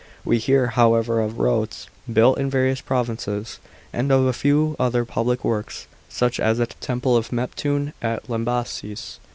We hear, however, of roads built in various provinces, and of a few other public works, such as a temple of Meptune at Lambaesis.